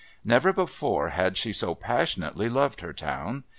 Never before had she so passionately loved her town.